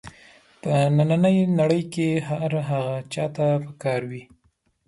په نننۍ نړۍ کې هر هغه چا ته په کار وي.